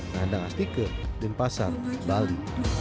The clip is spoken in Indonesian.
nandang astike dan pasar bali